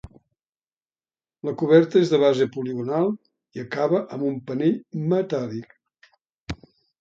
La coberta és de base poligonal i acaba amb un penell metàl·lic.